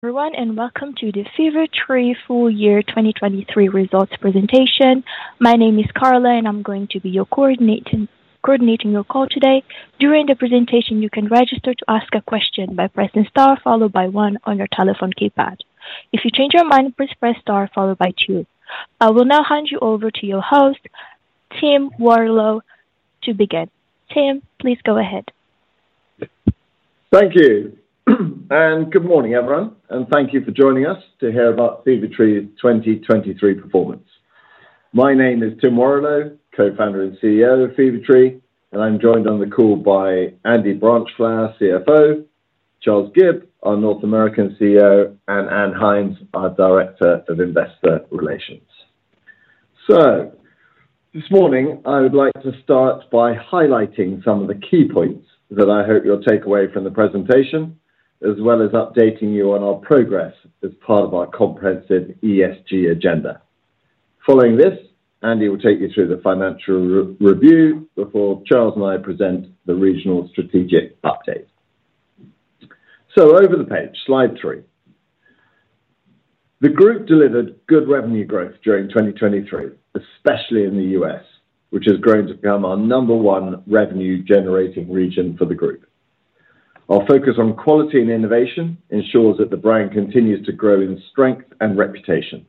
Everyone, and welcome to the Fever-Tree Full Year 2023 Results Presentation. My name is Carla, and I'm going to be your coordinating your call today. During the presentation, you can register to ask a question by pressing star followed by one on your telephone keypad. If you change your mind, please press star followed by two. I will now hand you over to your host, Tim Warrillow, to begin. Tim, please go ahead. Thank you. Good morning, everyone, and thank you for joining us to hear about Fever-Tree's 2023 performance. My name is Tim Warrillow, Co-Founder and CEO of Fever-Tree, and I'm joined on the call by Andy Branchflower, CFO, Charles Gibb, our North American CEO, and Ann Hyams, our Director of Investor Relations. This morning, I would like to start by highlighting some of the key points that I hope you'll take away from the presentation, as well as updating you on our progress as part of our comprehensive ESG agenda. Following this, Andy will take you through the financial review before Charles and I present the regional strategic update. Over the page, slide three. The group delivered good revenue growth during 2023, especially in the U.S., which has grown to become our number one revenue-generating region for the group. Our focus on quality and innovation ensures that the brand continues to grow in strength and reputation.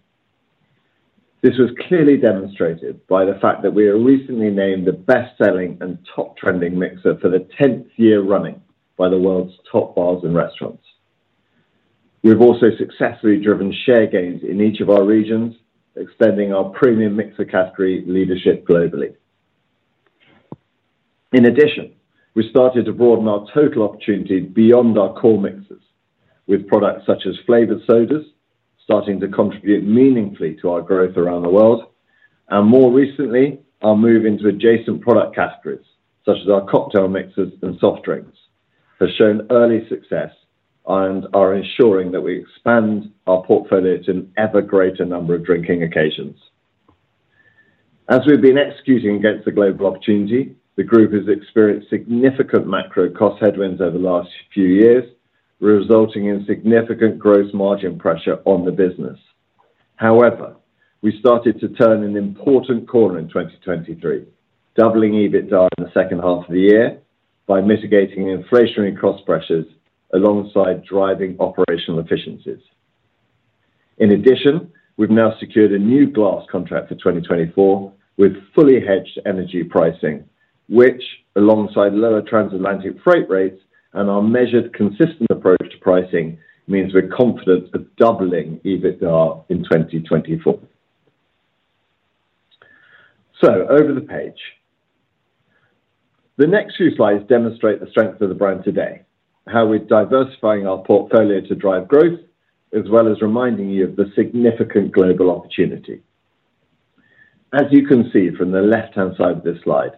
This was clearly demonstrated by the fact that we are recently named the best-selling and top trending mixer for the tenth year running by the world's top bars and restaurants. We've also successfully driven share gains in each of our regions, extending our premium mixer category leadership globally. In addition, we started to broaden our total opportunity beyond our core mixes with products such as flavored sodas, starting to contribute meaningfully to our growth around the world. And more recently, our move into adjacent product categories, such as our cocktail mixers and soft drinks, have shown early success and are ensuring that we expand our portfolio to an ever greater number of drinking occasions. As we've been executing against the global opportunity, the group has experienced significant macro cost headwinds over the last few years, resulting in significant gross margin pressure on the business. However, we started to turn an important corner in 2023, doubling EBITDA in the second half of the year by mitigating inflationary cost pressures alongside driving operational efficiencies. In addition, we've now secured a new glass contract for 2024 with fully hedged energy pricing, which, alongside lower transatlantic freight rates and our measured, consistent approach to pricing, means we're confident of doubling EBITDA in 2024. So over the page. The next few slides demonstrate the strength of the brand today, how we're diversifying our portfolio to drive growth, as well as reminding you of the significant global opportunity. As you can see from the left-hand side of this slide,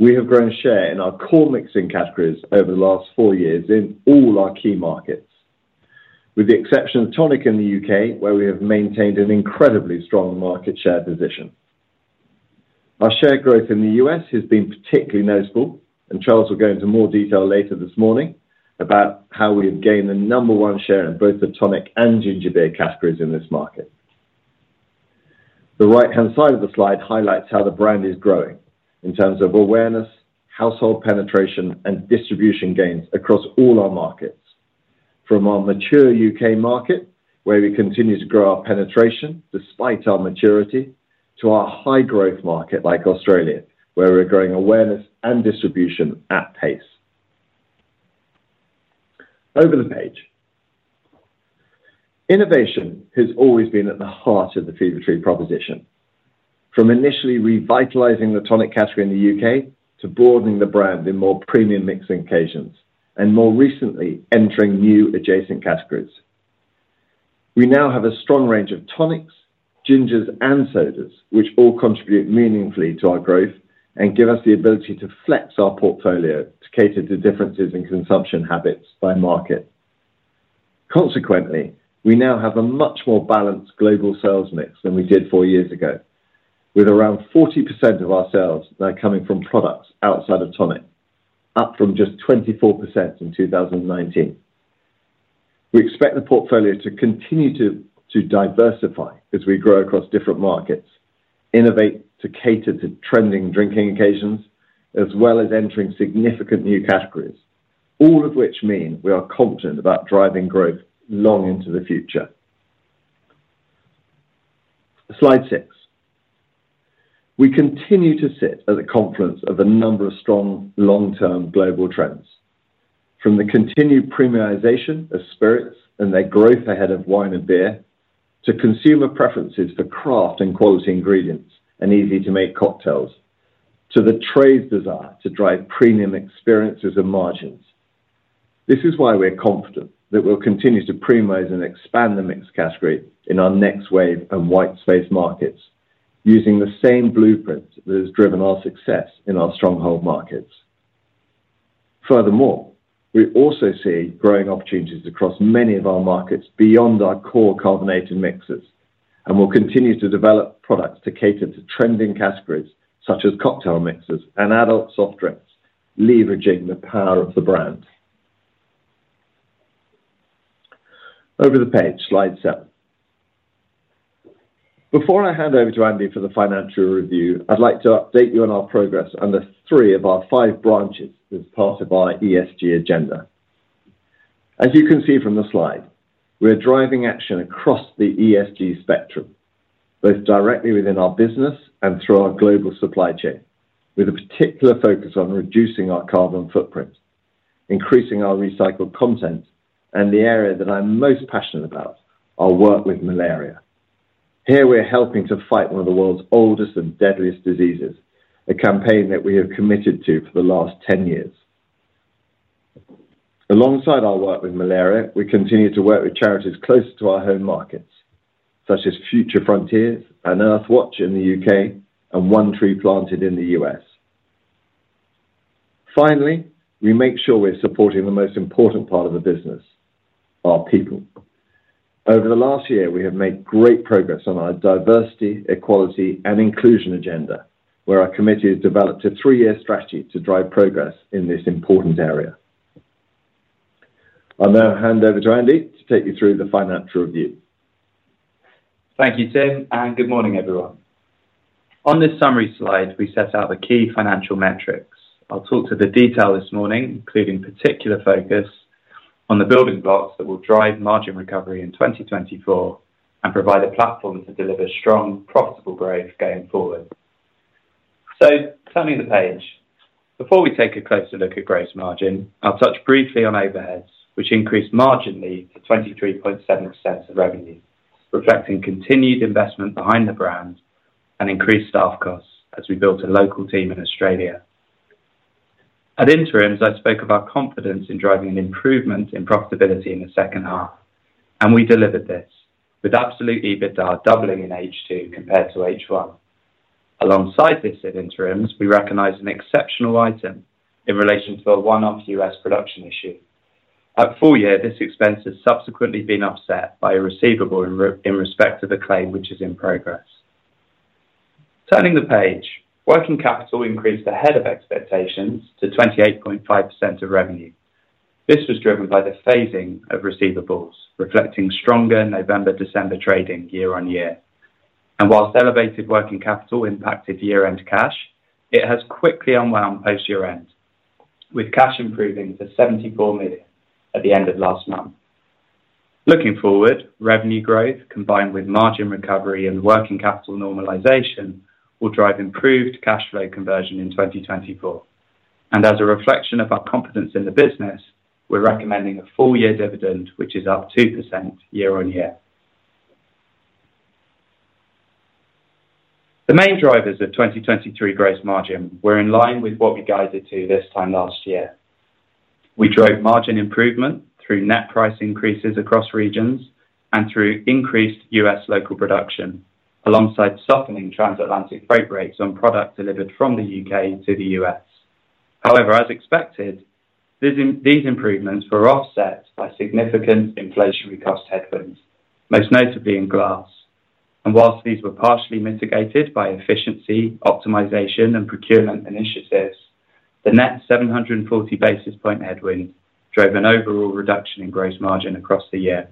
we have grown share in our core mixing categories over the last four years in all our key markets. With the exception of tonic in the U.K., where we have maintained an incredibly strong market share position. Our share growth in the U.S. has been particularly noticeable, and Charles will go into more detail later this morning about how we have gained the number one share in both the tonic and ginger beer categories in this market. The right-hand side of the slide highlights how the brand is growing in terms of awareness, household penetration, and distribution gains across all our markets. From our mature U.K. market, where we continue to grow our penetration despite our maturity, to our high-growth market, like Australia, where we're growing awareness and distribution at pace. Over the page. Innovation has always been at the heart of the Fever-Tree proposition. From initially revitalizing the tonic category in the U.K., to broadening the brand in more premium mixing occasions, and more recently, entering new adjacent categories. We now have a strong range of tonics, gingers, and sodas, which all contribute meaningfully to our growth and give us the ability to flex our portfolio to cater to differences in consumption habits by market. Consequently, we now have a much more balanced global sales mix than we did four years ago, with around 40% of our sales now coming from products outside of tonic, up from just 24% in 2019. We expect the portfolio to continue to diversify as we grow across different markets, innovate to cater to trending drinking occasions, as well as entering significant new categories, all of which mean we are confident about driving growth long into the future. Slide six. We continue to sit at the confluence of a number of strong long-term global trends, from the continued premiumization of spirits and their growth ahead of wine and beer, to consumer preferences for craft and quality ingredients and easy-to-make cocktails, to the trade's desire to drive premium experiences and margins. This is why we're confident that we'll continue to premiumize and expand the mixed category in our next wave of white space markets, using the same blueprint that has driven our success in our stronghold markets. Furthermore, we also see growing opportunities across many of our markets beyond our core carbonated mixes, and we'll continue to develop products to cater to trending categories such as cocktail mixes and adult soft drinks, leveraging the power of the brand. Over the page, slide seven. Before I hand over to Andy for the financial review, I'd like to update you on our progress on the three of our five branches as part of our ESG agenda. As you can see from the slide, we're driving action across the ESG spectrum, both directly within our business and through our global supply chain, with a particular focus on reducing our carbon footprint, increasing our recycled content, and the area that I'm most passionate about, our work with malaria. Here, we are helping to fight one of the world's oldest and deadliest diseases, a campaign that we have committed to for the last 10 years. Alongside our work with malaria, we continue to work with charities closer to our home markets, such as Future Frontiers and Earthwatch in the U.K., and One Tree Planted in the U.S. Finally, we make sure we're supporting the most important part of the business, our people. Over the last year, we have made great progress on our diversity, equality, and inclusion agenda, where our committee has developed a three-year strategy to drive progress in this important area. I'll now hand over to Andy to take you through the financial review. Thank you, Tim, and good morning, everyone. On this summary slide, we set out the key financial metrics. I'll talk to the detail this morning, including particular focus on the building blocks that will drive margin recovery in 2024 and provide a platform to deliver strong, profitable growth going forward. So turning the page. Before we take a closer look at gross margin, I'll touch briefly on overheads, which increased marginally to 23.7% of revenue, reflecting continued investment behind the brand and increased staff costs as we built a local team in Australia. At interims, I spoke about confidence in driving an improvement in profitability in the second half, and we delivered this, with absolute EBITDA doubling in H2 compared to H1. Alongside this at interims, we recognized an exceptional item in relation to a one-off U.S. production issue. At full year, this expense has subsequently been offset by a receivable in respect to the claim, which is in progress. Turning the page, working capital increased ahead of expectations to 28.5% of revenue. This was driven by the phasing of receivables, reflecting stronger November, December trading year-on-year. And whilst elevated working capital impacted year-end cash, it has quickly unwound post-year-end, with cash improving to 74 million at the end of last month. Looking forward, revenue growth, combined with margin recovery and working capital normalization, will drive improved cash flow conversion in 2024. And as a reflection of our confidence in the business, we're recommending a full-year dividend, which is up 2% year-on-year. The main drivers of 2023 gross margin were in line with what we guided to this time last year. We drove margin improvement through net price increases across regions and through increased U.S. local production, alongside softening transatlantic freight rates on products delivered from the U.K. to the U.S. However, as expected, these improvements were offset by significant inflationary cost headwinds, most notably in glass. While these were partially mitigated by efficiency, optimization, and procurement initiatives, the net 740 basis point headwind drove an overall reduction in gross margin across the year.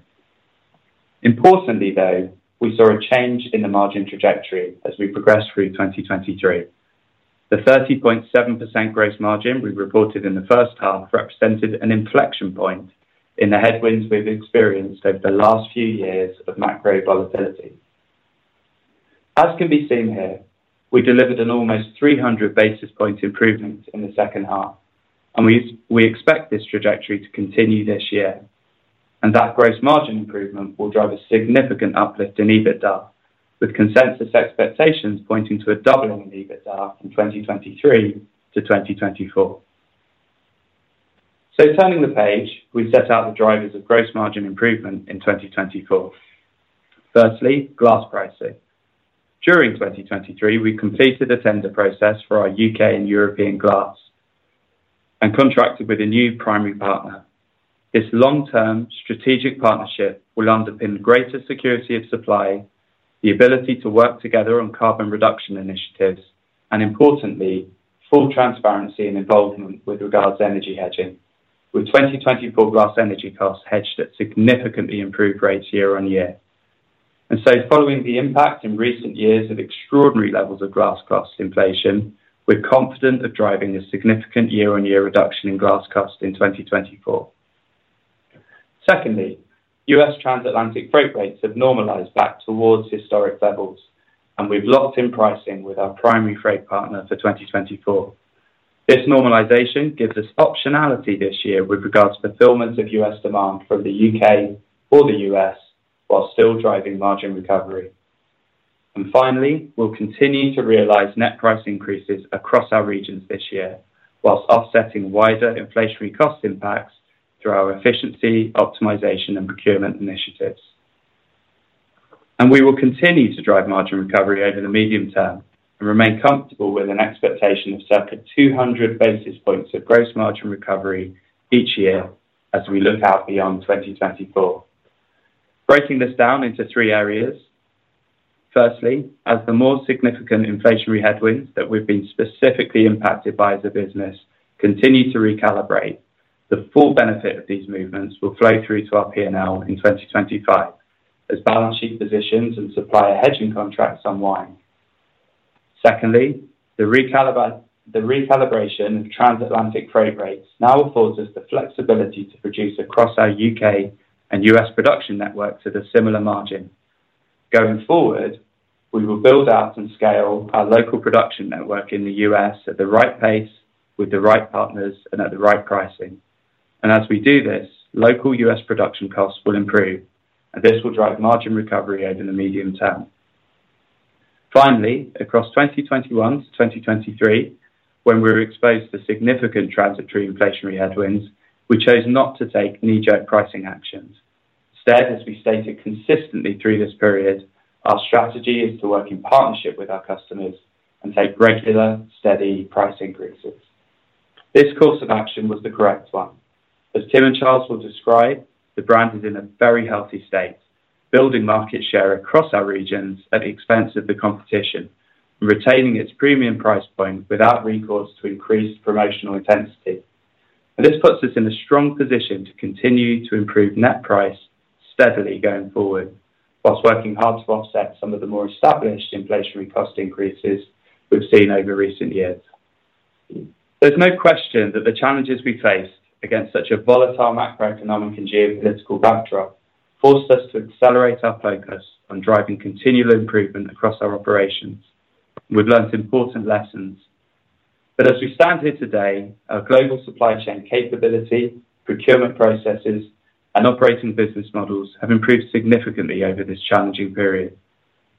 Importantly, though, we saw a change in the margin trajectory as we progressed through 2023. The 30.7% gross margin we reported in the first half represented an inflection point in the headwinds we've experienced over the last few years of macro volatility. As can be seen here, we delivered an almost 300 basis points improvement in the second half, and we expect this trajectory to continue this year. And that gross margin improvement will drive a significant uplift in EBITDA, with consensus expectations pointing to a doubling in EBITDA from 2023 to 2024. So turning the page, we set out the drivers of gross margin improvement in 2024. Firstly, glass pricing. During 2023, we completed a tender process for our U.K. and European glass and contracted with a new primary partner. This long-term strategic partnership will underpin greater security of supply, the ability to work together on carbon reduction initiatives, and importantly, full transparency and involvement with regards to energy hedging, with 2024 glass energy costs hedged at significantly improved rates year-on-year. And so following the impact in recent years of extraordinary levels of glass costs inflation, we're confident of driving a significant year-on-year reduction in glass cost in 2024. Secondly, U.S. transatlantic freight rates have normalized back towards historic levels, and we've locked in pricing with our primary freight partner for 2024. This normalization gives us optionality this year with regards to fulfillment of U.S. demand from the U.K. or the U.S., while still driving margin recovery. And finally, we'll continue to realize net price increases across our regions this year, whilst offsetting wider inflationary cost impacts through our efficiency, optimization, and procurement initiatives. And we will continue to drive margin recovery over the medium term and remain comfortable with an expectation of circa 200 basis points of gross margin recovery each year as we look out beyond 2024. Breaking this down into three areas. Firstly, as the more significant inflationary headwinds that we've been specifically impacted by as a business continue to recalibrate, the full benefit of these movements will flow through to our P&L in 2025, as balance sheet positions and supplier hedging contracts unwind. Secondly, the recalibration of transatlantic freight rates now affords us the flexibility to produce across our U.K. and U.S. production network to the similar margin. Going forward, we will build out and scale our local production network in the U.S. at the right pace, with the right partners and at the right pricing. And as we do this, local U.S. production costs will improve, and this will drive margin recovery over the medium term. Finally, across 2021 to 2023, when we were exposed to significant transitory inflationary headwinds, we chose not to take knee-jerk pricing actions. Instead, as we stated consistently through this period, our strategy is to work in partnership with our customers and take regular, steady price increases. This course of action was the correct one. As Tim and Charles will describe, the brand is in a very healthy state, building market share across our regions at the expense of the competition and retaining its premium price point without recourse to increased promotional intensity. And this puts us in a strong position to continue to improve net price steadily going forward, whilst working hard to offset some of the more established inflationary cost increases we've seen over recent years. There's no question that the challenges we faced against such a volatile macroeconomic and geopolitical backdrop forced us to accelerate our focus on driving continual improvement across our operations. We've learned important lessons, but as we stand here today, our global supply chain capability, procurement processes, and operating business models have improved significantly over this challenging period.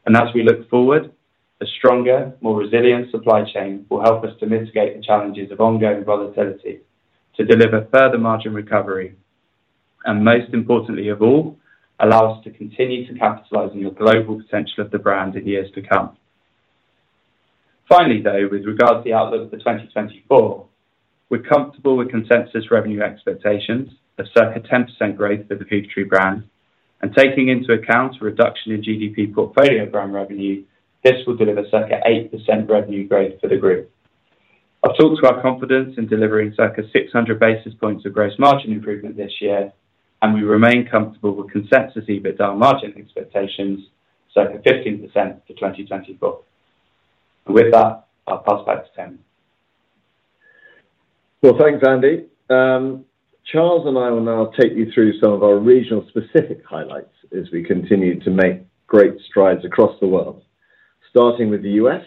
And as we look forward, a stronger, more resilient supply chain will help us to mitigate the challenges of ongoing volatility to deliver further margin recovery, and most importantly of all, allow us to continue to capitalize on the global potential of the brand in years to come. Finally, though, with regards to the outlook for 2024, we're comfortable with consensus revenue expectations of circa 10% growth for the Fever-Tree brand, and taking into account a reduction in GDP portfolio brand revenue, this will deliver circa 8% revenue growth for the group. I've talked to our confidence in delivering circa 600 basis points of gross margin improvement this year, and we remain comfortable with consensus EBITDA margin expectations, so 15% for 2024. With that, I'll pass back to Tim. Well, thanks, Andy. Charles and I will now take you through some of our regional specific highlights as we continue to make great strides across the world, starting with the U.S.,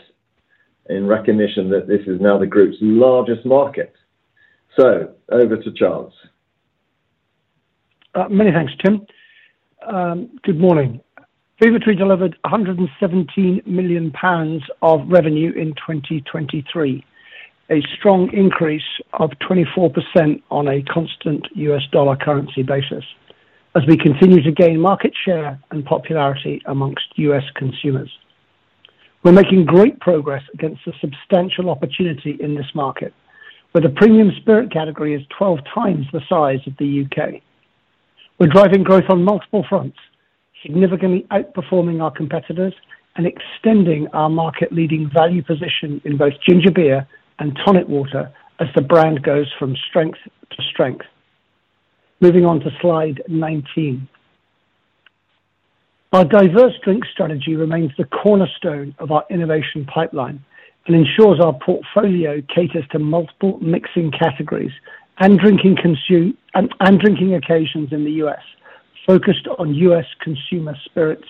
in recognition that this is now the group's largest market. So over to Charles. Many thanks, Tim. Good morning. Fever-Tree delivered 117 million pounds of revenue in 2023, a strong increase of 24% on a constant U.S. dollar currency basis, as we continue to gain market share and popularity among U.S. consumers. We're making great progress against a substantial opportunity in this market, where the premium spirit category is 12x the size of the U.K. We're driving growth on multiple fronts, significantly outperforming our competitors and extending our market-leading value position in both ginger beer and tonic water as the brand goes from strength to strength. Moving on to slide 19. Our diverse drink strategy remains the cornerstone of our innovation pipeline and ensures our portfolio caters to multiple mixing categories and drinking occasions in the U.S., focused on U.S. consumer spirits.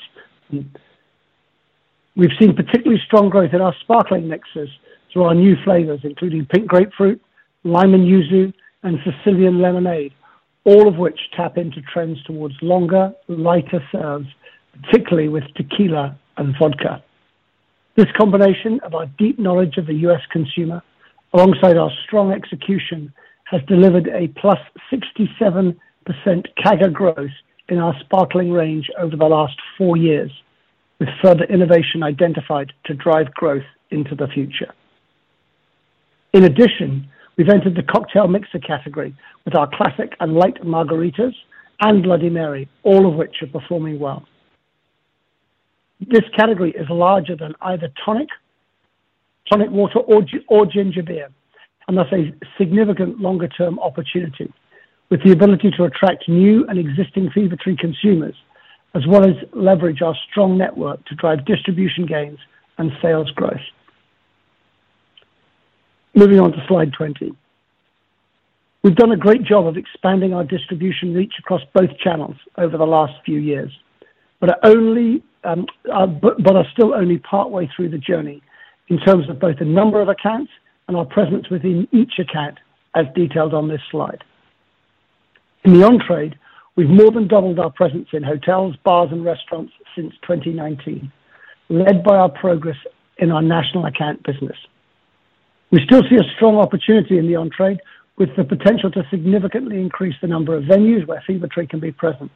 We've seen particularly strong growth in our sparkling mixes through our new flavors, including pink grapefruit, lime and yuzu, and Sicilian lemonade, all of which tap into trends towards longer, lighter serves, particularly with tequila and vodka. This combination of our deep knowledge of the U.S. consumer, alongside our strong execution, has delivered a plus 67% CAGR growth in our sparkling range over the last four years, with further innovation identified to drive growth into the future. In addition, we've entered the cocktail mixer category with our classic and light margaritas and Bloody Mary, all of which are performing well. This category is larger than either tonic water or ginger beer, and that's a significant longer-term opportunity, with the ability to attract new and existing Fever-Tree consumers, as well as leverage our strong network to drive distribution gains and sales growth. Moving on to slide 20. We've done a great job of expanding our distribution reach across both channels over the last few years, but are still only partway through the journey in terms of both the number of accounts and our presence within each account, as detailed on this slide. In the on-trade, we've more than doubled our presence in hotels, bars, and restaurants since 2019, led by our progress in our national account business. We still see a strong opportunity in the on-trade, with the potential to significantly increase the number of venues where Fever-Tree can be present.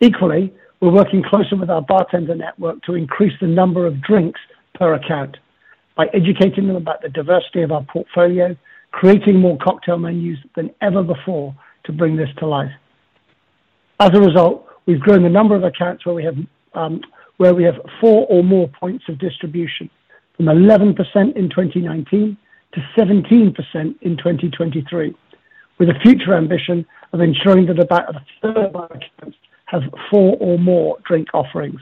Equally, we're working closely with our bartender network to increase the number of drinks per account by educating them about the diversity of our portfolio, creating more cocktail menus than ever before to bring this to life. As a result, we've grown the number of accounts where we have, where we have four or more points of distribution, from 11% in 2019 to 17% in 2023, with a future ambition of ensuring that about a third of our accounts have four or more drink offerings.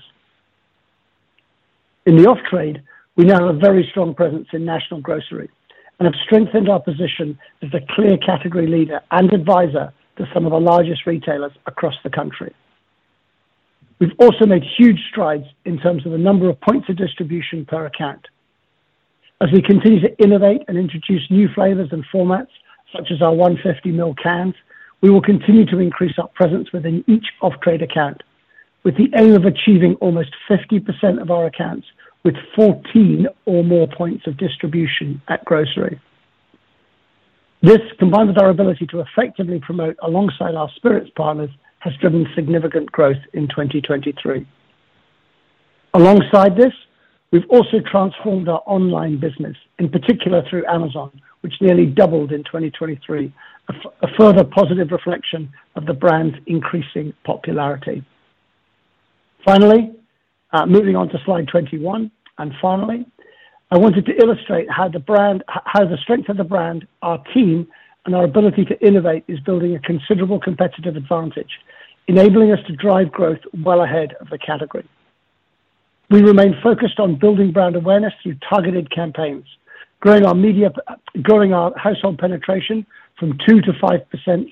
In the off-trade, we now have a very strong presence in national grocery and have strengthened our position as the clear category leader and advisor to some of the largest retailers across the country. We've also made huge strides in terms of the number of points of distribution per account. As we continue to innovate and introduce new flavors and formats, such as our 150 ml cans, we will continue to increase our presence within each off-trade account, with the aim of achieving almost 50% of our accounts, with 14 or more points of distribution at grocery. This, combined with our ability to effectively promote alongside our spirits partners, has driven significant growth in 2023. Alongside this, we've also transformed our online business, in particular through Amazon, which nearly doubled in 2023, a further positive reflection of the brand's increasing popularity. Finally, moving on to slide 21, and finally, I wanted to illustrate how the strength of the brand, our team, and our ability to innovate is building a considerable competitive advantage, enabling us to drive growth well ahead of the category. We remain focused on building brand awareness through targeted campaigns, growing our media, growing our household penetration from 2%-5%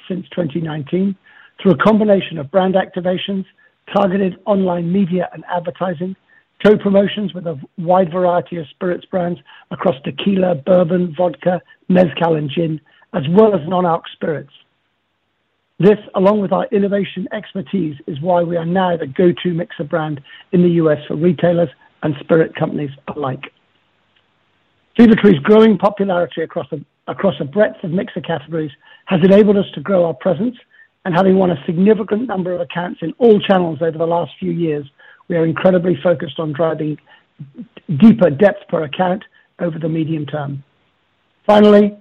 since 2019, through a combination of brand activations, targeted online media and advertising, co-promotions with a wide variety of spirits brands across tequila, bourbon, vodka, mezcal, and gin, as well as non-alc spirits. This, along with our innovation expertise, is why we are now the go-to mixer brand in the U.S. for retailers and spirit companies alike. Fever-Tree's growing popularity across a breadth of mixer categories has enabled us to grow our presence, and having won a significant number of accounts in all channels over the last few years, we are incredibly focused on driving deeper depth per account over the medium term. Finally,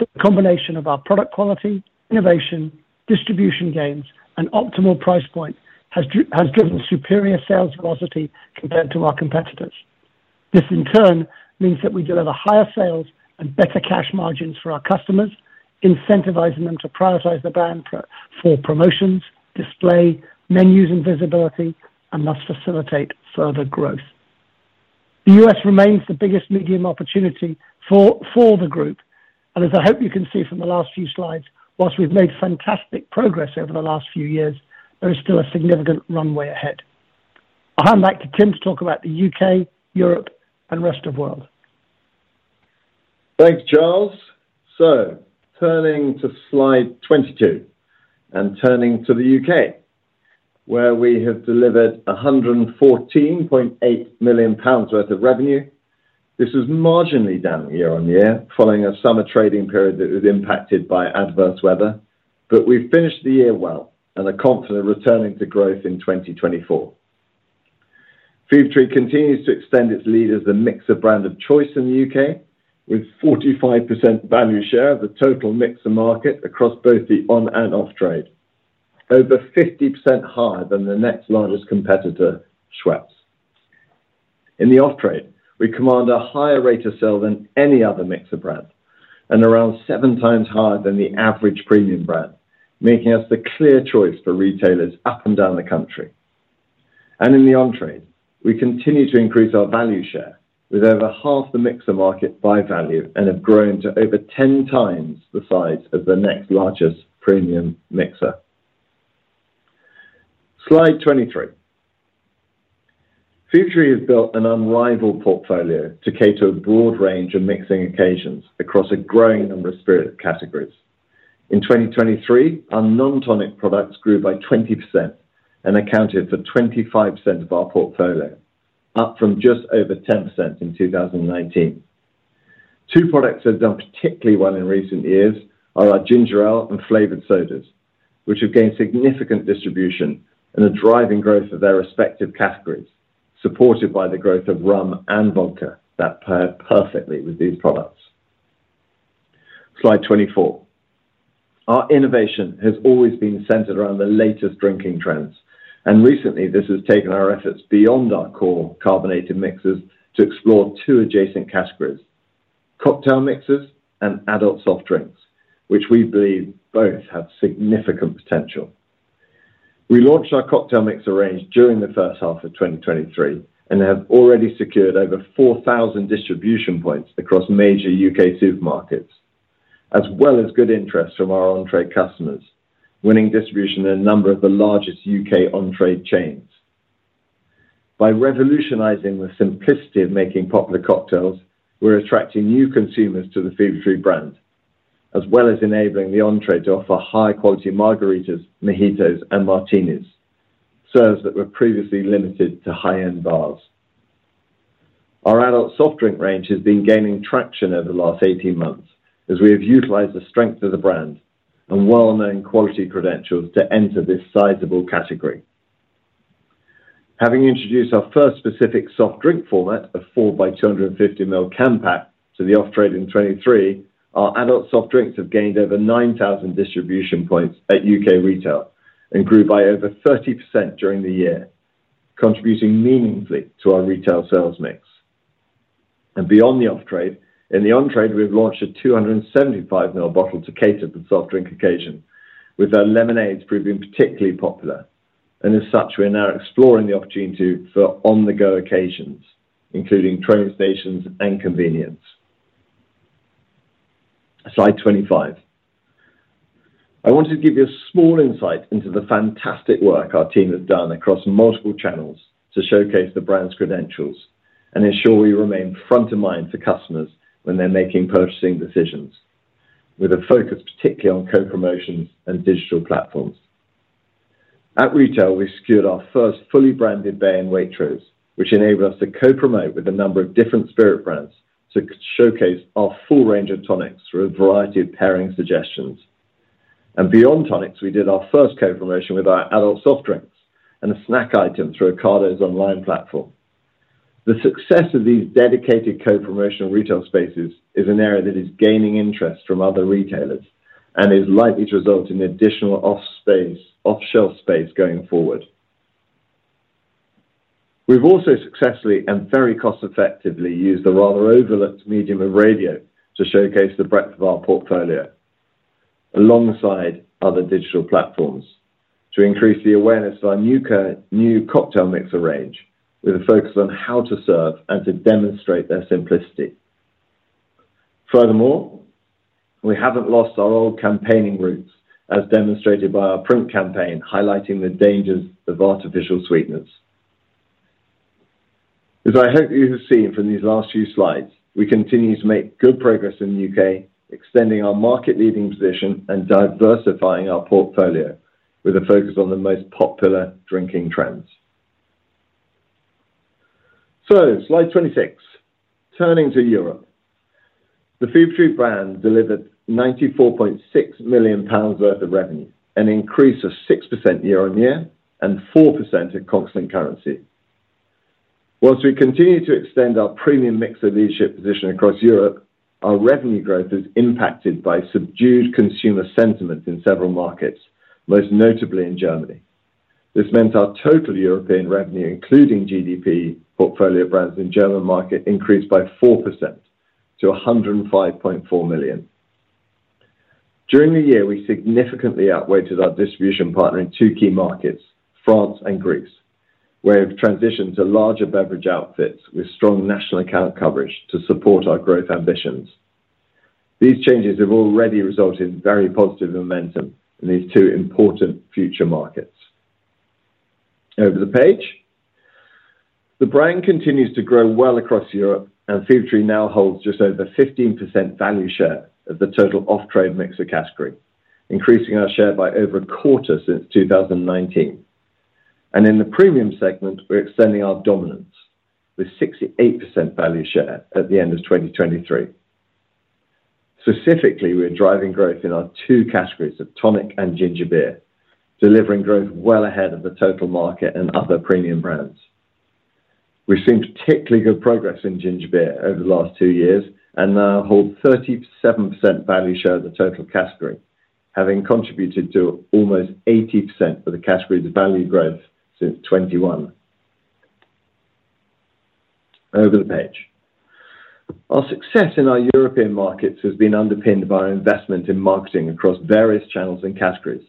the combination of our product quality, innovation, distribution gains, and optimal price point has has driven superior sales velocity compared to our competitors. This, in turn, means that we deliver higher sales and better cash margins for our customers, incentivizing them to prioritize the brand for, for promotions, display, menus and visibility, and thus facilitate further growth. The U.S. remains the biggest medium opportunity for, for the group, and as I hope you can see from the last few slides, while we've made fantastic progress over the last few years, there is still a significant runway ahead. I'll hand back to Tim to talk about the U.K., Europe, and rest of world. Thanks, Charles. So turning to slide 22, and turning to the U.K., where we have delivered 114.8 million pounds worth of revenue. This is marginally down year-on-year, following a summer trading period that was impacted by adverse weather, but we've finished the year well and are confident of returning to growth in 2024. Fever-Tree continues to extend its lead as the mixer brand of choice in the U.K., with 45% value share of the total mixer market across both the on-trade and off-trade. Over 50% higher than the next largest competitor, Schweppes. In the off-trade, we command a higher rate of sell than any other mixer brand, and around 7x higher than the average premium brand, making us the clear choice for retailers up and down the country. In the on-trade, we continue to increase our value share with over half the mixer market by value and have grown to over 10x the size of the next largest premium mixer. Slide 23. Fever-Tree has built an unrivaled portfolio to cater a broad range of mixing occasions across a growing number of spirit categories. In 2023, our non-tonic products grew by 20% and accounted for 25% of our portfolio, up from just over 10% in 2019. Two products that have done particularly well in recent years are our ginger ale and flavored sodas, which have gained significant distribution and are driving growth of their respective categories, supported by the growth of rum and vodka that pair perfectly with these products. Slide 24. Our innovation has always been centered around the latest drinking trends, and recently this has taken our efforts beyond our core carbonated mixes to explore two adjacent categories, cocktail mixers and adult soft drinks, which we believe both have significant potential. We launched our cocktail mixer range during the first half of 2023 and have already secured over 4,000 distribution points across major U.K. supermarkets, as well as good interest from our on-trade customers, winning distribution in a number of the largest U.K. on-trade chains. By revolutionizing the simplicity of making popular cocktails, we're attracting new consumers to the Fever-Tree brand, as well as enabling the on-trade to offer high-quality margaritas, mojitos, and martinis, serves that were previously limited to high-end bars. Our adult soft drink range has been gaining traction over the last 18 months as we have utilized the strength of the brand and well-known quality credentials to enter this sizable category. Having introduced our first specific soft drink format, a four by 250 ml can pack, to the off-trade in 2023, our adult soft drinks have gained over 9,000 distribution points at U.K. retail and grew by over 30% during the year, contributing meaningfully to our retail sales mix. And beyond the off-trade, in the on-trade, we've launched a 275 ml bottle to cater for the soft drink occasion, with our lemonades proving particularly popular. And as such, we are now exploring the opportunity for on-the-go occasions, including train stations and convenience. Slide 25. I wanted to give you a small insight into the fantastic work our team has done across multiple channels to showcase the brand's credentials and ensure we remain front of mind for customers when they're making purchasing decisions, with a focus particularly on co-promotions and digital platforms. At retail, we secured our first fully branded bay in Waitrose, which enabled us to co-promote with a number of different spirit brands to showcase our full range of tonics through a variety of pairing suggestions. Beyond tonics, we did our first co-promotion with our adult soft drinks and a snack item through Ocado's online platform. The success of these dedicated co-promotional retail spaces is an area that is gaining interest from other retailers and is likely to result in additional off-shelf space going forward. We've also successfully, and very cost effectively, used the rather overlooked medium of radio to showcase the breadth of our portfolio, alongside other digital platforms, to increase the awareness of our new cocktail mixer range, with a focus on how to serve and to demonstrate their simplicity. Furthermore, we haven't lost our old campaigning roots, as demonstrated by our print campaign, highlighting the dangers of artificial sweeteners. As I hope you have seen from these last few slides, we continue to make good progress in the U.K., extending our market-leading position and diversifying our portfolio with a focus on the most popular drinking trends. So slide 26. Turning to Europe, the Fever-Tree brand delivered 94.6 million pounds worth of revenue, an increase of 6% year-on-year and 4% in constant currency. While we continue to extend our premium mixer leadership position across Europe, our revenue growth is impacted by subdued consumer sentiment in several markets, most notably in Germany. This meant our total European revenue, including GDP portfolio brands in German market, increased by 4% to 105.4 million. During the year, we significantly outgrew our distribution partner in two key markets, France and Greece, where we've transitioned to larger beverage outfits with strong national account coverage to support our growth ambitions. These changes have already resulted in very positive momentum in these two important future markets. Over the page. The brand continues to grow well across Europe, and Fever-Tree now holds just over 15% value share of the total off-trade mixer category, increasing our share by over a quarter since 2019. In the premium segment, we're extending our dominance with 68% value share at the end of 2023. Specifically, we are driving growth in our two categories of tonic and ginger beer, delivering growth well ahead of the total market and other premium brands. We've seen particularly good progress in ginger beer over the last two years and now hold 37% value share of the total category, having contributed to almost 80% of the category's value growth since 2021. Over the page. Our success in our European markets has been underpinned by our investment in marketing across various channels and categories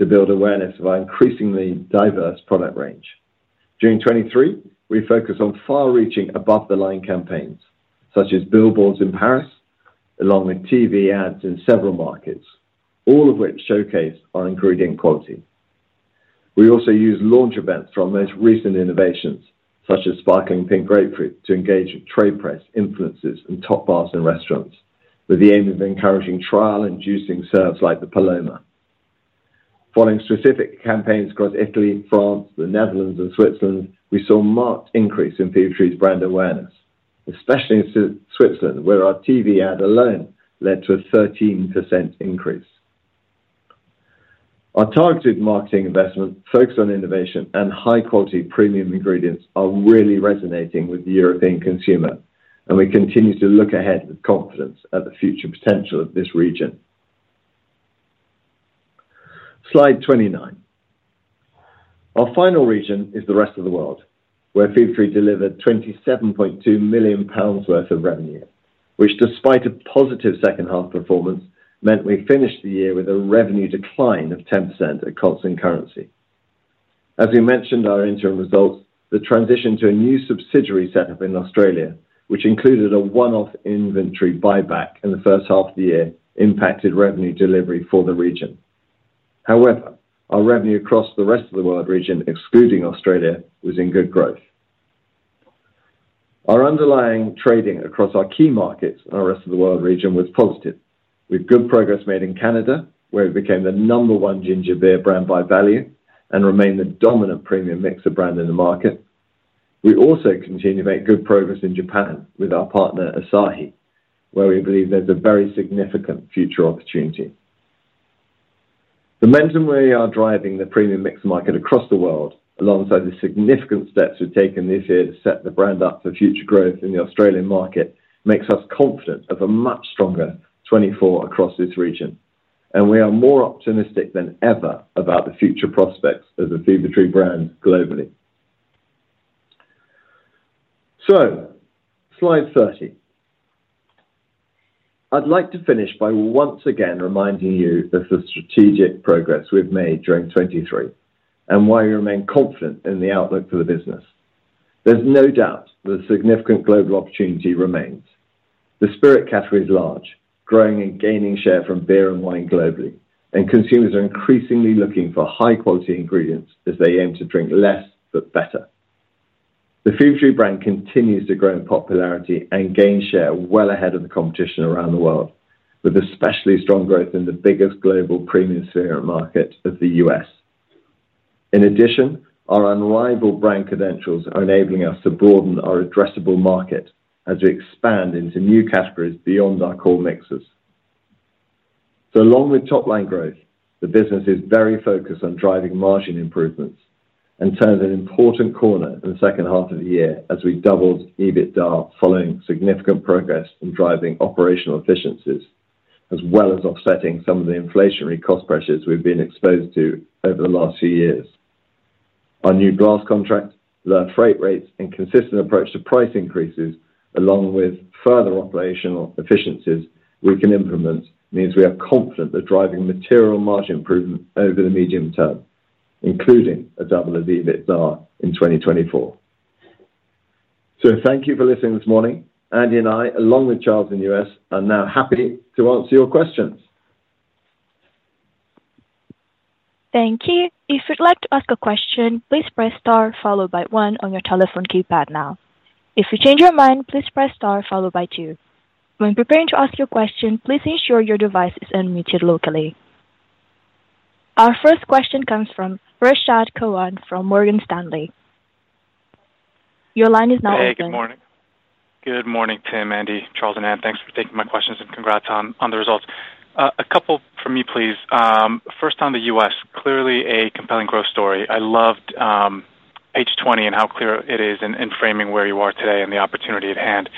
to build awareness of our increasingly diverse product range. During 2023, we focused on far-reaching above-the-line campaigns, such as billboards in Paris, along with TV ads in several markets, all of which showcase our ingredient quality. We also use launch events for our most recent innovations, such as Sparkling Pink Grapefruit, to engage with trade press, influencers, and top bars and restaurants, with the aim of encouraging trial and juicing serves like the Paloma. Following specific campaigns across Italy, France, the Netherlands, and Switzerland, we saw a marked increase in Fever-Tree's brand awareness, especially in Switzerland, where our TV ad alone led to a 13% increase. Our targeted marketing investment, focused on innovation and high-quality premium ingredients, are really resonating with the European consumer, and we continue to look ahead with confidence at the future potential of this region. Slide 29. Our final region is the rest of the world, where Fever-Tree delivered 27.2 million pounds worth of revenue, which, despite a positive second half performance, meant we finished the year with a revenue decline of 10% at constant currency. As we mentioned in our interim results, the transition to a new subsidiary set up in Australia, which included a one-off inventory buyback in the first half of the year, impacted revenue delivery for the region. However, our revenue across the rest of the world region, excluding Australia, was in good growth. Our underlying trading across our key markets in the rest of the world region was positive, with good progress made in Canada, where it became the number one ginger beer brand by value and remained the dominant premium mixer brand in the market. We also continue to make good progress in Japan with our partner, Asahi, where we believe there's a very significant future opportunity. Momentum, we are driving the premium mix market across the world, alongside the significant steps we've taken this year to set the brand up for future growth in the Australian market, makes us confident of a much stronger 2024 across this region. And we are more optimistic than ever about the future prospects of the Fever-Tree brand globally. So Slide 30. I'd like to finish by once again reminding you of the strategic progress we've made during 2023, and why we remain confident in the outlook for the business. There's no doubt that significant global opportunity remains. The spirit category is large, growing and gaining share from beer and wine globally, and consumers are increasingly looking for high-quality ingredients as they aim to drink less, but better. The Fever-Tree brand continues to grow in popularity and gain share well ahead of the competition around the world, with especially strong growth in the biggest global premium spirit market of the U.S. In addition, our unrivaled brand credentials are enabling us to broaden our addressable market as we expand into new categories beyond our core mixes. So along with top line growth, the business is very focused on driving margin improvements and turned an important corner in the second half of the year as we doubled EBITDA, following significant progress in driving operational efficiencies, as well as offsetting some of the inflationary cost pressures we've been exposed to over the last two years. Our new glass contract, lower freight rates, and consistent approach to price increases, along with further operational efficiencies we can implement, means we are confident that driving material margin improvement over the medium term, including a double of EBITDA in 2024. Thank you for listening this morning. Andy and I, along with Charles in the U.S., are now happy to answer your questions. Thank you. If you'd like to ask a question, please press star followed by one on your telephone keypad now. If you change your mind, please press star followed by two. When preparing to ask your question, please ensure your device is unmuted locally. Our first question comes from Rashad Kawan from Morgan Stanley. Your line is now open. Hey, good morning. Good morning, Tim, Andy, Charles, and Ann. Thanks for taking my questions, and congrats on, on the results. A couple from me, please. First on the U.S., clearly a compelling growth story. I loved, page 20 and how clear it is in, in framing where you are today and the opportunity at hand.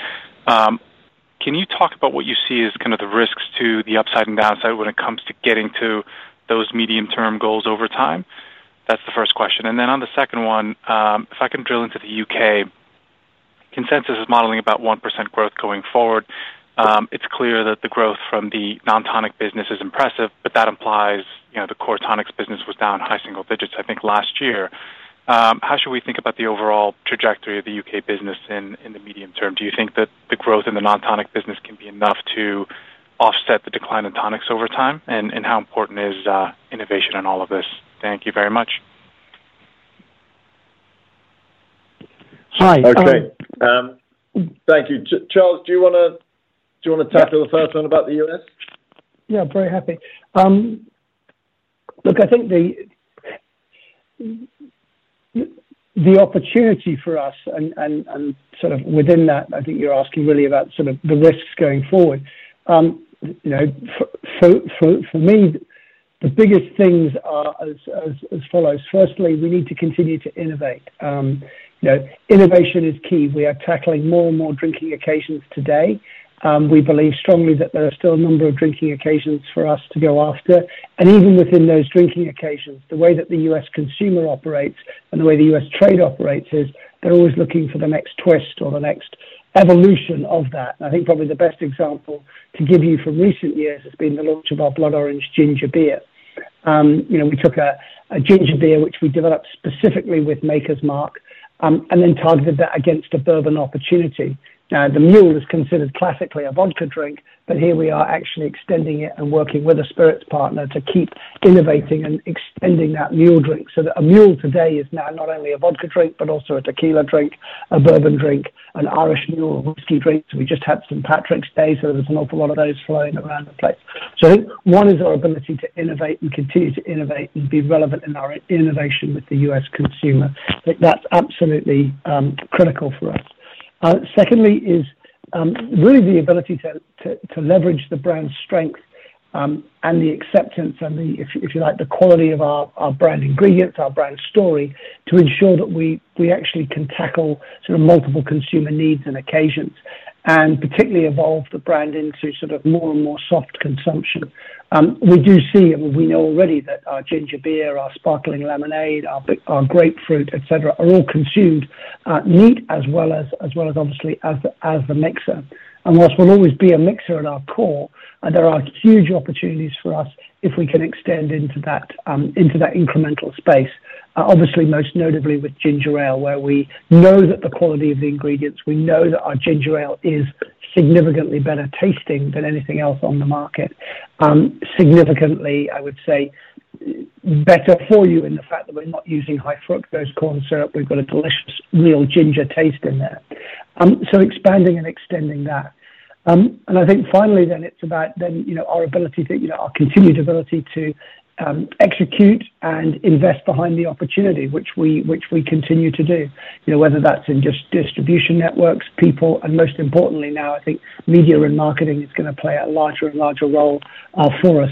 Can you talk about what you see as kind of the risks to the upside and downside when it comes to getting to those medium-term goals over time? That's the first question. And then on the second one, if I can drill into the U.K., consensus is modeling about 1% growth going forward. It's clear that the growth from the non-tonic business is impressive, but that implies, you know, the core tonics business was down high single digits, I think, last year. How should we think about the overall trajectory of the U.K. business in the medium term? Do you think that the growth in the non-tonic business can be enough to offset the decline in tonics over time? And how important is innovation in all of this? Thank you very much. Hi. Okay. Thank you. Charles, do you want to, do you want to tackle the first one about the U.S.? Yeah, very happy. Look, I think the opportunity for us and sort of within that, I think you're asking really about sort of the risks going forward. You know, for me, the biggest things are as follows. Firstly, we need to continue to innovate. You know, innovation is key. We are tackling more and more drinking occasions today. We believe strongly that there are still a number of drinking occasions for us to go after, and even within those drinking occasions, the way that the U.S. consumer operates and the way the U.S. trade operates is, they're always looking for the next twist or the next evolution of that. I think probably the best example to give you from recent years has been the launch of our Blood Orange Ginger Beer. You know, we took a ginger beer, which we developed specifically with Maker's Mark, and then targeted that against a bourbon opportunity. Now, the mule is considered classically a vodka drink, but here we are actually extending it and working with a spirits partner to keep innovating and extending that mule drink. So that a mule today is now not only a vodka drink, but also a tequila drink, a bourbon drink, an Irish mule whiskey drink. We just had St. Patrick's Day, so there's an awful lot of those flowing around the place. So I think one is our ability to innovate and continue to innovate and be relevant in our innovation with the U.S. consumer. I think that's absolutely critical for us. Secondly is really the ability to leverage the brand's strength and the acceptance and the, if you like, the quality of our brand ingredients, our brand story, to ensure that we actually can tackle sort of multiple consumer needs and occasions, and particularly evolve the brand into sort of more and more soft consumption. We do see, and we know already that our ginger beer, our sparkling lemonade, our grapefruit, et cetera, are all consumed neat, as well as, as well as obviously as the mixer. And whilst we'll always be a mixer at our core, there are huge opportunities for us if we can extend into that, into that incremental space. Obviously, most notably with ginger ale, where we know that the quality of the ingredients, we know that our ginger ale is significantly better tasting than anything else on the market. Significantly, I would say, better for you in the fact that we're not using high-fructose corn syrup. We've got a delicious, real ginger taste in there. So expanding and extending that. And I think finally then, it's about then, you know, our ability to, you know, our continued ability to execute and invest behind the opportunity, which we, which we continue to do. You know, whether that's in just distribution networks, people, and most importantly, now, I think media and marketing is going to play a larger and larger role for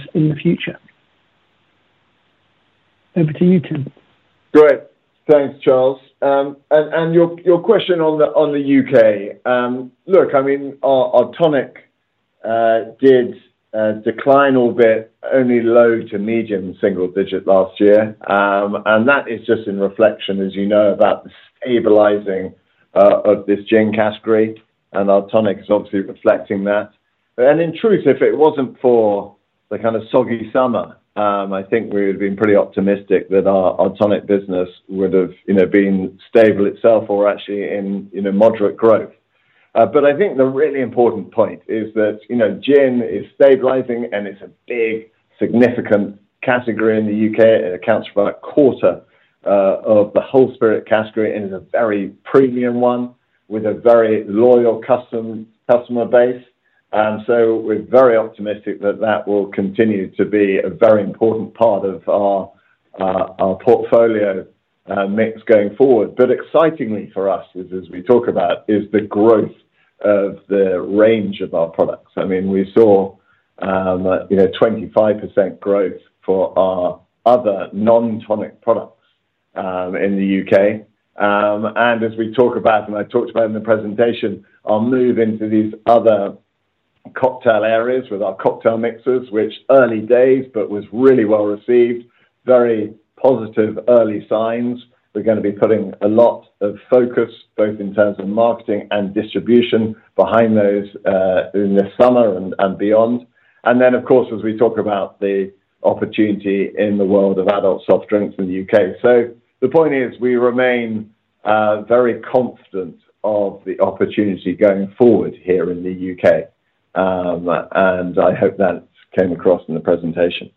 us in the future. Over to you, Tim. Great. Thanks, Charles. And your question on the U.K. Look, I mean, our tonic did decline a bit, only low to medium single digit last year. And that is just in reflection, as you know, about the stabilizing of this gin category, and our tonic is obviously reflecting that. And in truth, if it wasn't for the kind of soggy summer, I think we would have been pretty optimistic that our tonic business would have, you know, been stable itself or actually in a moderate growth. But I think the really important point is that, you know, gin is stabilizing, and it's a big, significant category in the U.K. It accounts for about a quarter of the whole spirit category, and is a very premium one with a very loyal customer base. And so we're very optimistic that that will continue to be a very important part of our portfolio mix going forward. But excitingly for us, as we talk about, is the growth of the range of our products. I mean, we saw, you know, 25% growth for our other non-tonic products in the U.K. And as we talk about, and I talked about in the presentation, our move into these other cocktail areas with our cocktail mixers, which early days, but was really well received. Very positive early signs. We're gonna be putting a lot of focus, both in terms of marketing and distribution, behind those in the summer and beyond. And then, of course, as we talk about the opportunity in the world of adult soft drinks in the U.K. The point is, we remain very confident of the opportunity going forward here in the U.K. I hope that came across in the presentation.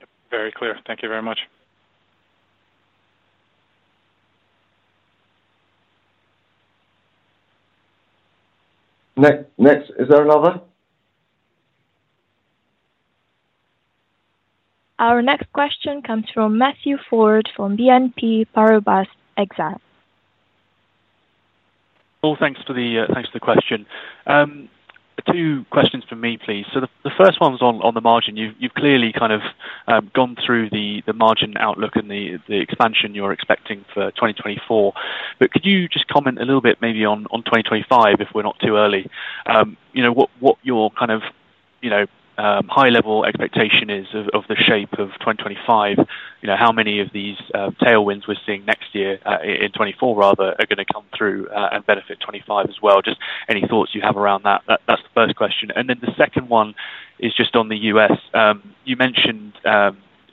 Yep, very clear. Thank you very much. Next, next. Is there another? Our next question comes from Matthew Ford, from BNP Paribas Exane. Well, thanks for the thanks for the question. Two questions from me, please. So the first one's on the margin. You've clearly kind of gone through the margin outlook and the expansion you're expecting for 2024. But could you just comment a little bit, maybe on 2025, if we're not too early? You know, what your kind of, you know, high-level expectation is of the shape of 2025. You know, how many of these tailwinds we're seeing next year in 2024 rather, are gonna come through and benefit 2025 as well? Just any thoughts you have around that? That's the first question. And then the second one is just on the U.S. You mentioned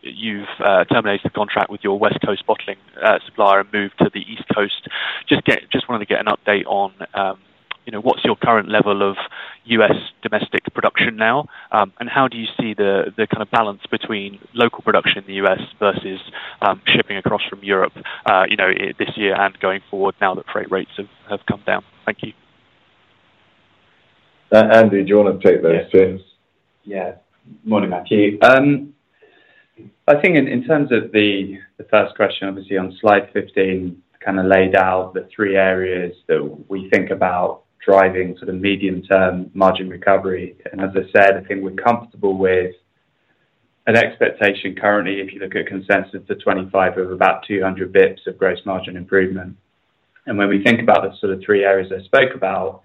you've terminated the contract with your West Coast bottling supplier and moved to the East Coast. Just wanted to get an update on, you know, what's your current level of U.S. domestic production now, and how do you see the kind of balance between local production in the U.S. versus shipping across from Europe, you know, this year and going forward now that freight rates have come down? Thank you. Andy, do you want to take those two? Yeah. Morning, Matthew. I think in terms of the first question, obviously on slide 15, kind of laid out the three areas that we think about driving sort of medium-term margin recovery. And as I said, I think we're comfortable with an expectation currently, if you look at consensus for 2025, of about 200 basis points of gross margin improvement. And when we think about the sort of three areas I spoke about,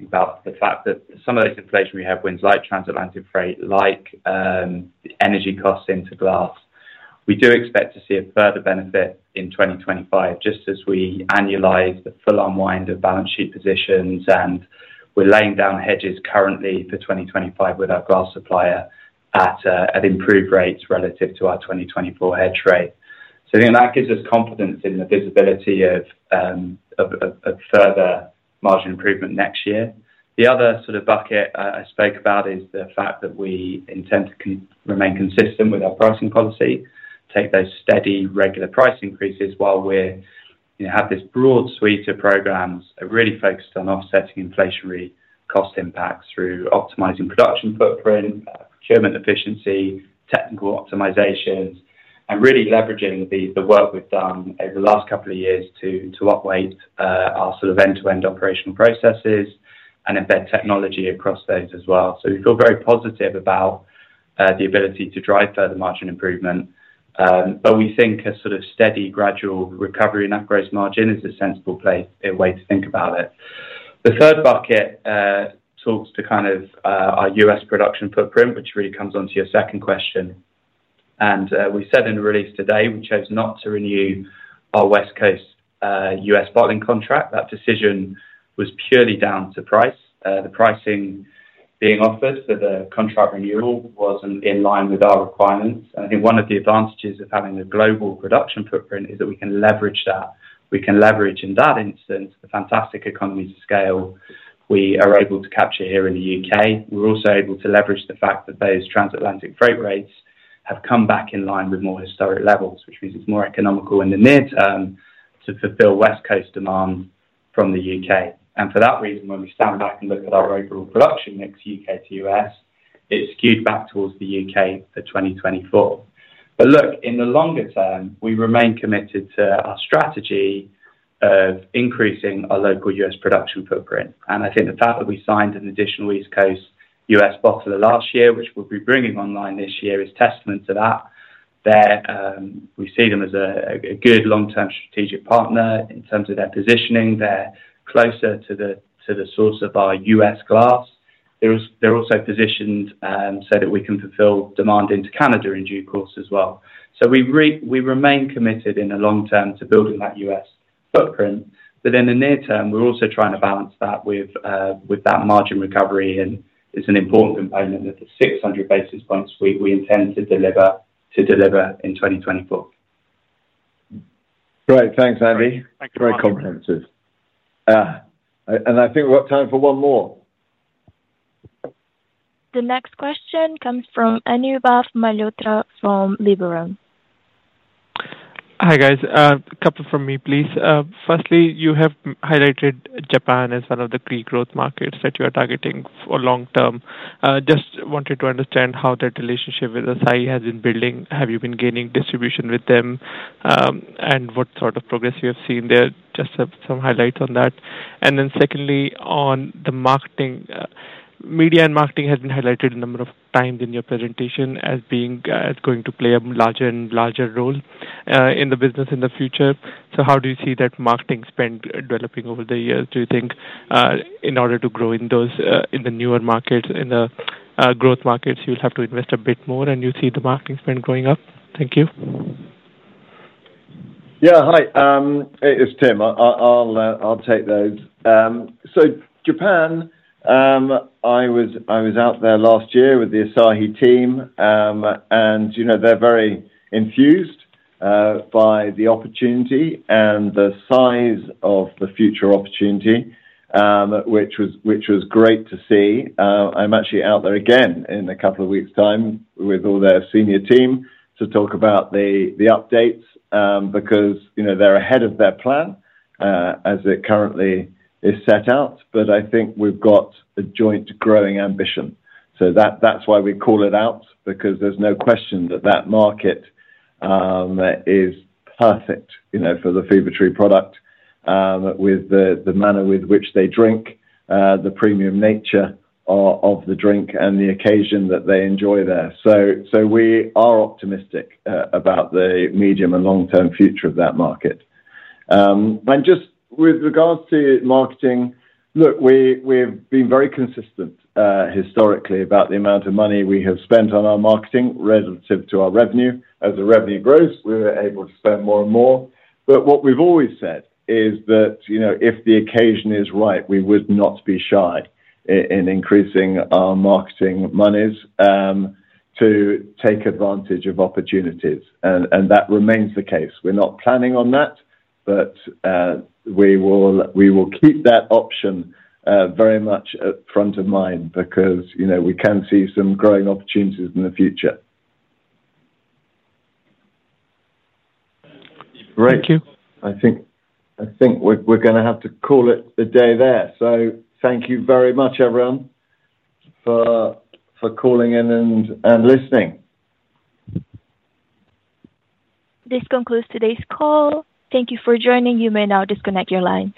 about the fact that some of those inflationary headwinds, like transatlantic freight, like energy costs into glass, we do expect to see a further benefit in 2025, just as we annualize the full unwind of balance sheet positions, and we're laying down hedges currently for 2025 with our glass supplier at improved rates relative to our 2024 hedge rate. So I think that gives us confidence in the visibility of further margin improvement next year. The other sort of bucket I spoke about is the fact that we intend to remain consistent with our pricing policy, take those steady, regular price increases while we're, you know, have this broad suite of programs that are really focused on offsetting inflationary cost impacts through optimizing production footprint, procurement efficiency, technical optimizations, and really leveraging the work we've done over the last couple of years to upweight our sort of end-to-end operational processes and embed technology across those as well. So we feel very positive about the ability to drive further margin improvement. But we think a sort of steady gradual recovery in that gross margin is a sensible place way to think about it. The third bucket, talks to kind of, our U.S. production footprint, which really comes onto your second question. And, we said in the release today, we chose not to renew our West Coast, U.S. bottling contract. That decision was purely down to price. The pricing being offered for the contract renewal wasn't in line with our requirements. And I think one of the advantages of having a global production footprint is that we can leverage that. We can leverage, in that instance, the fantastic economies of scale we are able to capture here in the U.K. We're also able to leverage the fact that those transatlantic freight rates have come back in line with more historic levels, which means it's more economical in the near term to fulfill West Coast demand from the U.K. For that reason, when we stand back and look at our overall production mix, U.K. to U.S., it's skewed back towards the U.K. for 2024. But look, in the longer term, we remain committed to our strategy of increasing our local U.S. production footprint. And I think the fact that we signed an additional East Coast U.S. bottler last year, which we'll be bringing online this year, is testament to that. They're, we see them as a good long-term strategic partner in terms of their positioning. They're closer to the source of our U.S. glass. They're also positioned so that we can fulfill demand into Canada in due course as well. So we remain committed in the long term to building that U.S. footprint, but in the near term, we're also trying to balance that with that margin recovery, and it's an important component of the 600 basis points we intend to deliver in 2024. Great. Thanks, Andy. Thank you very much. Very comprehensive. I think we've got time for one more. The next question comes from Anubhav Malhotra from Liberum. Hi, guys. A couple from me, please. Firstly, you have highlighted Japan as one of the key growth markets that you are targeting for long term. Just wanted to understand how that relationship with Asahi has been building. Have you been gaining distribution with them, and what sort of progress you have seen there? Just have some highlights on that. And then secondly, on the marketing, media and marketing has been highlighted a number of times in your presentation as being, as going to play a larger and larger role, in the business in the future. So how do you see that marketing spend developing over the years? Do you think, in order to grow in those, in the newer markets, in the, growth markets, you'll have to invest a bit more, and you see the marketing spend going up? Thank you. Yeah. Hi, it's Tim. I'll take those. So Japan, I was out there last year with the Asahi team. And, you know, they're very enthused by the opportunity and the size of the future opportunity, which was great to see. I'm actually out there again in a couple of weeks' time with all their senior team to talk about the updates, because, you know, they're ahead of their plan as it currently is set out, but I think we've got a joint growing ambition. So that's why we call it out, because there's no question that that market is perfect, you know, for the Fever-Tree product, with the manner with which they drink the premium nature of the drink and the occasion that they enjoy there. So we are optimistic about the medium and long-term future of that market. And just with regards to marketing, look, we've been very consistent historically about the amount of money we have spent on our marketing relative to our revenue. As the revenue grows, we're able to spend more and more. But what we've always said is that, you know, if the occasion is right, we would not be shy in increasing our marketing monies to take advantage of opportunities. And that remains the case. We're not planning on that, but we will keep that option very much at front of mind because, you know, we can see some growing opportunities in the future. Thank you. I think we're gonna have to call it a day there. So thank you very much, everyone, for calling in and listening. This concludes today's call. Thank you for joining. You may now disconnect your lines.